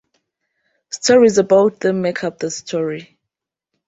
Stories about them make up the story.